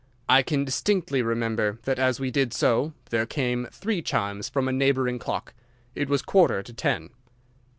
I can distinctly remember that as we did so there came three chimes from a neighbouring clock. It was quarter to ten."